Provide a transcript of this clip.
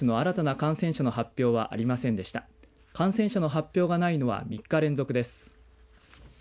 感染者の発表がないのは３日連続です。